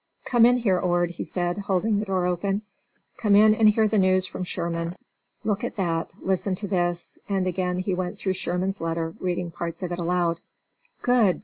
"Come in here, Ord," he said, holding the door open. "Come in and hear the news from Sherman. Look at that, listen to this," and again he went through Sherman's letter, reading parts of it aloud. "Good!